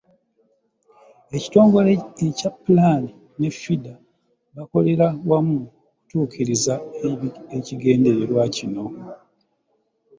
Ekitongole ekya PLAN ne FIDA bakolera wamu okutuukiriza ekigendererwa kino.